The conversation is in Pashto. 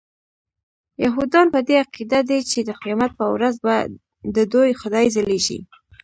یهودان په دې عقیده دي چې د قیامت په ورځ به ددوی خدای ځلیږي.